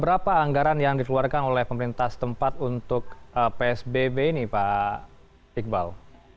berapa anggaran yang dikeluarkan oleh pemerintah setempat untuk psbb ini pak iqbal